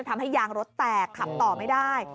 ทำให้ยางรถแตกขับต่อไม่ได้